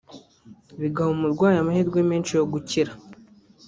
bigaha umurwayi amahirwe menshi yo gukira